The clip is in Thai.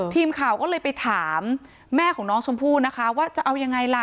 ทีมข่าวก็เลยไปถามแม่ของน้องชมพู่นะคะว่าจะเอายังไงล่ะ